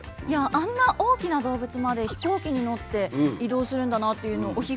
いやあんな大きな動物まで飛行機に乗って移動するんだなっていうのを。